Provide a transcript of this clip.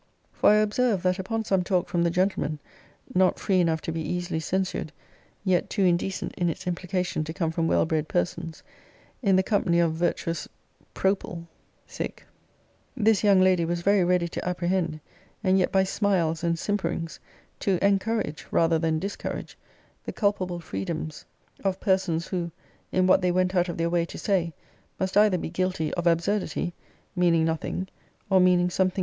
For I observed, that, upon some talk from the gentlemen, not free enough to be easily censured, yet too indecent in its implication to come from well bred persons, in the company of virtuous prople, this young lady was very ready to apprehend; and yet, by smiles and simperings, to encourage, rather than discourage, the culpable freedoms of persons, who, in what they went out of their way to say, must either be guilty of absurdity, meaning nothing, or meaning something of rudeness.